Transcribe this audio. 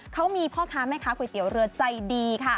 เขามีพ่อค้าแม่ค้าก๋วยเตี๋ยวเรือใจดีค่ะ